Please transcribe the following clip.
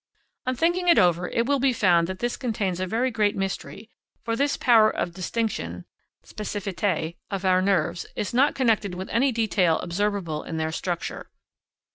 On thinking it over, it will be found that this contains a very great mystery, for this power of distinction (specificité) of our nerves is not connected with any detail observable in their structure.